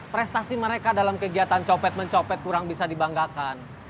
prestasi mereka dalam kegiatan copet mencopet kurang bisa dibanggakan